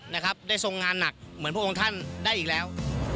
นะครับได้ทรงงานหนักเหมือนพระองค์ท่านได้อีกแล้ว